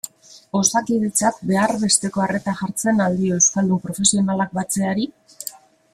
Osakidetzak behar besteko arreta jartzen al dio euskaldun profesionalak batzeari?